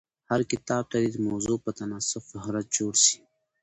هر کتاب ته دي د موضوع په تناسب فهرست جوړ سي.